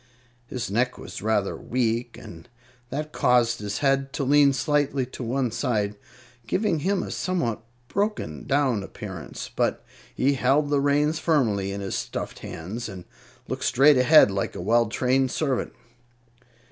His neck was rather weak, and that caused his head to lean slightly to one side, giving him a somewhat broken down appearance; but he held the reins firmly in his stuffed hands and looked straight ahead, like a well trained servant.